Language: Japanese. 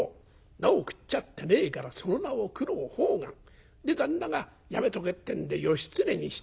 菜を食っちゃってねえから『その名を九郎判官』。で旦那がやめとけってんで『義経にしておきな』ってんだもんな。